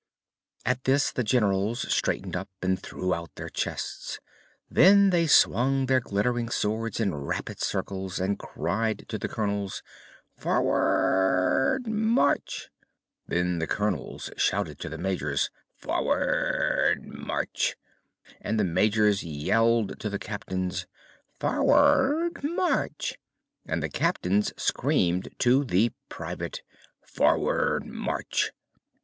At this the Generals straightened up and threw out their chests. Then they swung their glittering swords in rapid circles and cried to the Colonels: "For ward March!" Then the Colonels shouted to the Majors: "For ward March!" and the Majors yelled to the Captains: "For ward March!" and the Captains screamed to the Private: "For ward March!"